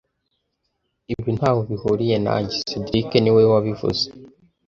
Ibi ntaho bihuriye nanjye cedric niwe wabivuze